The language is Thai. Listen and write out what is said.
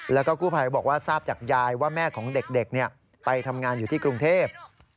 แล้วก็กู้ภัยบอกว่าทราบจากยายว่าแม่ของเด็กไปทำงานอยู่ที่กรุงเทพ